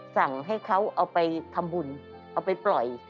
สั่งให้เขาเอาไปทำบุญเอาไปปล่อย